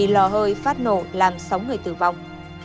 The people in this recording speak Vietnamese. lò hơi phát nổ làm sáu người tử vong